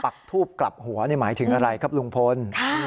ปักทูบกลับหัวหมายถึงอะไรครับลุงพล